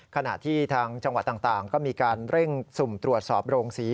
ขณะที่ทางจังหวัดต่างก็มีการเร่งสุ่มตรวจสอบโรงศรี